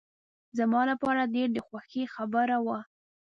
زما لپاره ډېر د خوښۍ خبره وه.